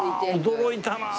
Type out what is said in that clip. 驚いたなあ！